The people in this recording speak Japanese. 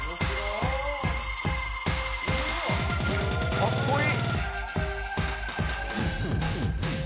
かっこいい。